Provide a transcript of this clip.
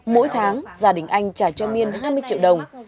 mỗi tháng gia đình anh trả cho miên hai mươi triệu đồng